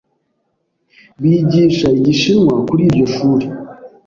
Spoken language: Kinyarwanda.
Bigisha Igishinwa kuri iryo shuri.